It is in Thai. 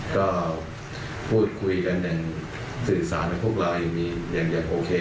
ก็พูดคุยกันสื่อสารกับพวกเรายังโอเค